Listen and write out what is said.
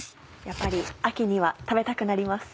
やっぱり秋には食べたくなります。